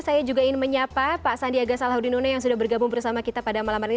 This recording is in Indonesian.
saya juga ingin menyapa pak sandiaga salahuddin une yang sudah bergabung bersama kita pada malam hari ini